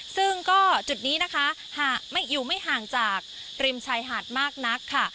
ซึ่งก็จุดนี้นะคะหากอยู่ไม่ห่างจากริมชายหาดมากนักค่ะ